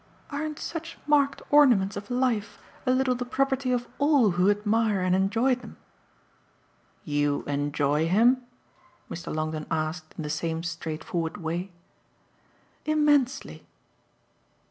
"Aren't such marked ornaments of life a little the property of all who admire and enjoy them?" "You 'enjoy' him?" Mr. Longdon asked in the same straightforward way. "Immensely."